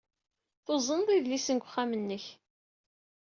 Tuzneḍ idlisen seg wexxam-nnek.